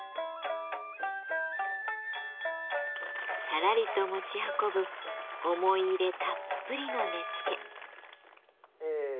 さらりと持ち運ぶ思い入れたっぷりの根付。